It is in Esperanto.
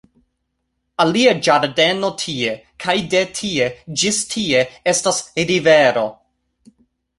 Alia ĝardeno tie, kaj de tie ĝis tie, estas rivero